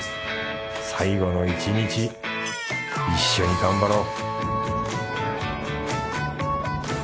最後の一日一緒に頑張ろう